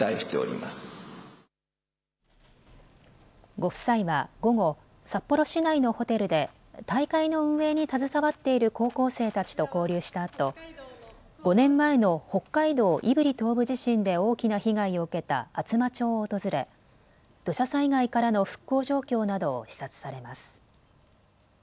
ご夫妻は午後、札幌市内のホテルで大会の運営に携わっている高校生たちと交流したあと５年前の北海道胆振東部地震で大きな被害を受けた厚真町を訪れ土砂災害からの復興状況などを視察されます。